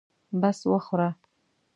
بس وخوره.